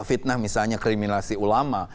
fitnah misalnya kriminalisasi ulama